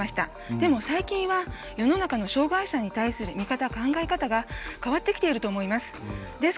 でも、最近は世の中の障がい者に対する見方、考え方が変わってきていると思います。